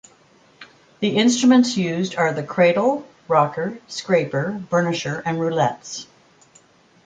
The instruments used are the cradle, rocker, scraper, burnisher, and roulettes.